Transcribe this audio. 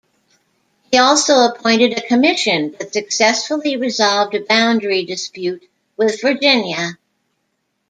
He also appointed a commission that successfully resolved a boundary dispute with Virginia.